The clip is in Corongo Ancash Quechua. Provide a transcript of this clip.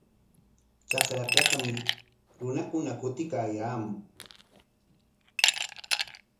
Trakrapikmi runakuna kutiykaayaamun.